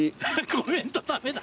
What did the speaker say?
コメント駄目だ。